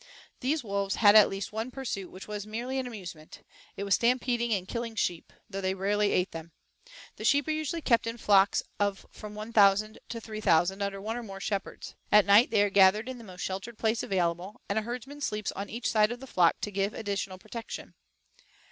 These wolves had at least one pursuit which was merely an amusement; it was stampeding and killing sheep, though they rarely ate them. The sheep are usually kept in flocks of from one thousand to three thousand under one or more shepherds. At night they are gathered in the most sheltered place available, and a herdsman sleeps on each side of the flock to give additional protection.